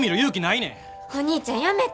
お兄ちゃんやめて。